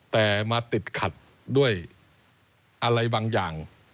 แต่มาติดขัดด้วยอะไรบางอย่าง